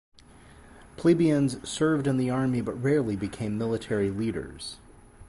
Plebeians served in the army, but rarely became military leaders.